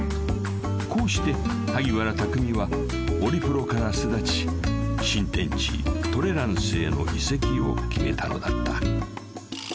［こうして萩原匠はオリプロから巣立ち新天地トレランスへの移籍を決めたのだった］